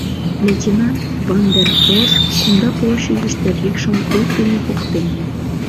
Лейтенант Ван дер Фрош кумда площадьыште рикшым круг дене поктен.